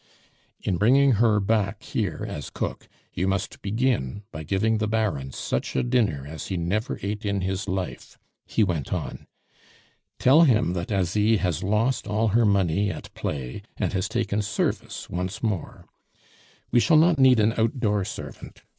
"In bringing her back here as cook, you must begin by giving the Baron such a dinner as he never ate in his life," he went on. "Tell him that Asie has lost all her money at play, and has taken service once more. We shall not need an outdoor servant.